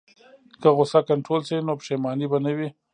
که غوسه کنټرول شي، نو پښیماني به نه وي.